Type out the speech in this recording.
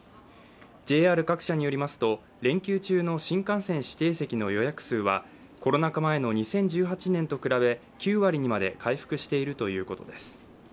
ＪＲ各社によりますと連休中の新幹線指定席の予約数はコロナ禍前の２０１８年と比べ９割にまで回復しているということです。